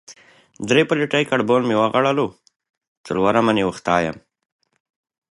احمد ته مې پر سترګو توره شوه.